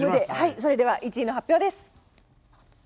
それでは１位の発表です。